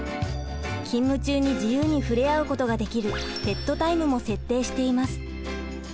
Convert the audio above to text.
勤務中に自由に触れ合うことができるペット・タイムも設定しています。